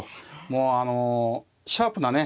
もうあのシャープなね